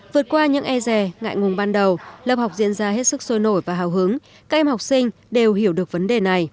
vượt qua những e rè ngại ngùng ban đầu lập học diễn ra hết sức sôi nổi và hào hứng các em học sinh đều hiểu được vấn đề này